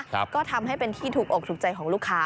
ก็ทำให้เป็นที่ถูกอกถูกใจของลูกค้า